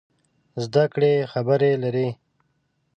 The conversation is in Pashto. زده کړې خبرې لري.